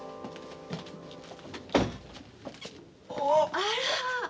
あら！